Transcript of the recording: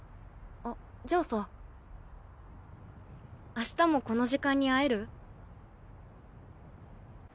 あっじゃあさあしたもこの時間に会える？